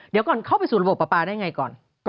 เดี๋ยวก่อนเข้าไปสู่ระบบปลาได้อย่างไรก่อน